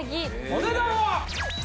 お値段は！